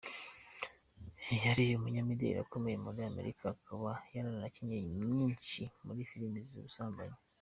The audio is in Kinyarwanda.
Yari umunyamideli ukomeye muri Amerika akaba yaranakinnye nyinshi muri filime z’ubusambanyi.